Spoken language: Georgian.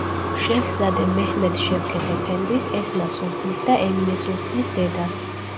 შეჰზადე მეჰმედ შევქეთ ეფენდის, ესმა სულთნის და ემინე სულთნის დედა.